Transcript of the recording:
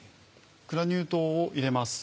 グラニュー糖を入れます。